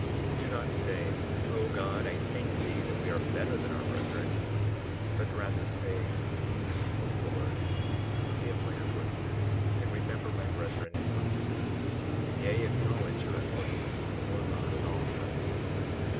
38:14 Do not say: O God, I thank thee that we are better than our brethren; but rather say: O Lord, forgive my unworthiness, and remember my brethren in mercy—yea, acknowledge your unworthiness before God at all times.